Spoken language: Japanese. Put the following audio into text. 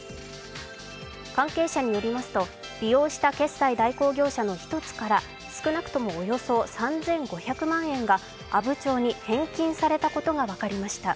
関係者によりますと、利用した決済代行業者の１つから少なくともおよそ３５００万円が阿武町に返金されたことが分かりました。